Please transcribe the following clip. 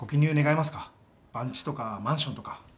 番地とかマンションとか。